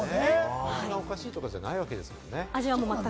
味がおかしいとかじゃないわけですもんね。